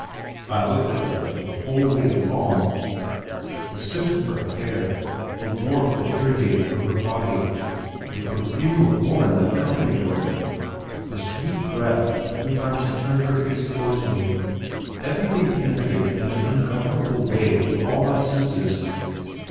I looked at her the whole way along. The scent of her hair; the warmth that irradiated from her body; the perfume of woman that accompanied her; the sweet breath every time she turned her face towards me everything penetrated in an ungovernable way through all my senses.